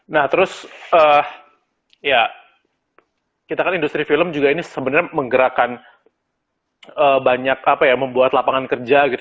nah terus ya kita kan industri film juga ini sebenarnya menggerakkan banyak apa ya membuat lapangan kerja gitu